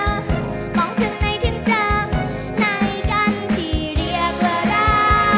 มองถึงในที่เจอนายกันที่เรียกเวลา